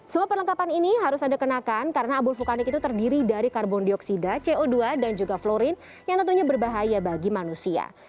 semua perlengkapan ini harus anda kenakan karena abu vulkanik itu terdiri dari karbon dioksida co dua dan juga florin yang tentunya berbahaya bagi manusia